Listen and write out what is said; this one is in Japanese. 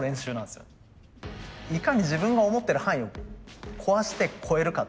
いかに自分が思ってる範囲を壊して超えるか。